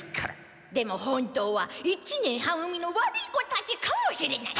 でも本当は「一年は組の悪い子たち」かもしれない。